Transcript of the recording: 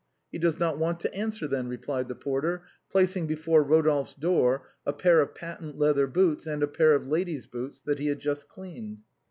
" He does not want to answer then," replied the porter, placing before Rodolphe's door a pair of patent leather boots and a pair of lady's boots that he had just cleaned.